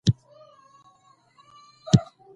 تصاویر بې له زمینه خپلواک معنا نه لري.